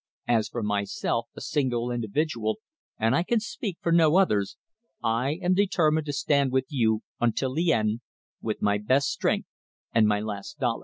As for myself, a single individual (and I can speak for no others), I am determined to stand with you until the end, with my best strength and my last dollar."